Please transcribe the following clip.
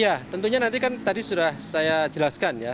ya tentunya nanti kan tadi sudah saya jelaskan ya